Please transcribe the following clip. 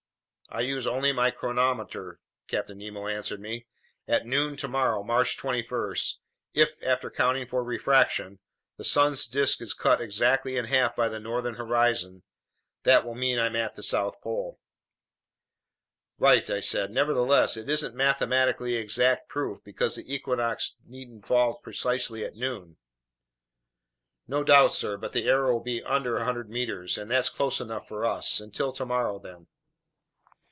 "I use only my chronometer," Captain Nemo answered me. "At noon tomorrow, March 21, if, after accounting for refraction, the sun's disk is cut exactly in half by the northern horizon, that will mean I'm at the South Pole." "Right," I said. "Nevertheless, it isn't mathematically exact proof, because the equinox needn't fall precisely at noon." "No doubt, sir, but the error will be under 100 meters, and that's close enough for us. Until tomorrow then."